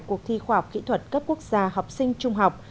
cuộc thi khoa học kỹ thuật cấp quốc gia học sinh trung học